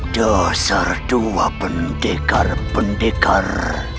dasar dua pendekar pendekar